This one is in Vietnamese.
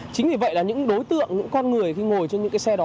chính vì vậy là những đối tượng những con người khi ngồi trên những cái xe đó